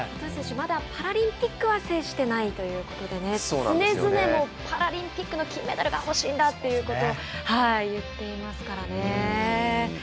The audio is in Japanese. まだパラリンピックは制していないということで常々、パラリンピックの金メダルが欲しいんだと言っていますからね。